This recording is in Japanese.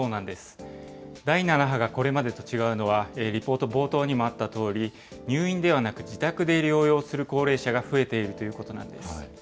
第７波がこれまでと違うのは、リポート冒頭にもあったとおり、入院ではなく自宅で療養する高齢者が増えているということなんです。